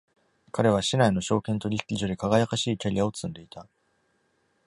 彼は市内の証券取引所で輝かしいキャリアを積んでいた。